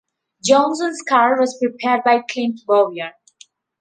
Johnson's car was prepared by Clint Bowyer.